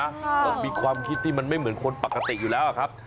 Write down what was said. ก็มีความคิดที่มันไม่เหมือนคนปกติอยู่แล้วอะครับ